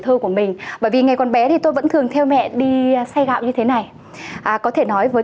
thơ của mình bởi vì ngày còn bé thì tôi vẫn thường theo mẹ đi xay gạo như thế này có thể nói với